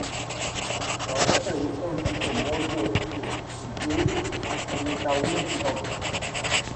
রজার্সের উত্তর দিকে মোড় নিয়ে এটি ইয়ংটাউনের দিকে অগ্রসর হয়।